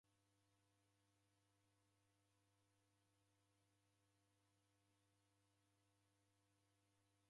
W'ele w'uja uhu mwana oka na kimosho?